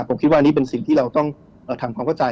ผมคิดว่าอันนี้เป็นสิ่งที่เราต้องทำความเข้าใจ